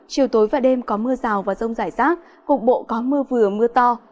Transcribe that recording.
chiều tối và đêm có mưa rào và rông rải rác cục bộ có mưa vừa mưa to